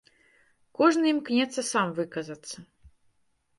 Кожны імкнецца сам выказацца.